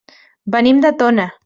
Venim de Tona.